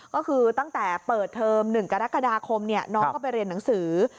ก็คือตั้งแต่เปิดเทอม๑กรกฎาคมน้องก็ไปเรียนหนังสือ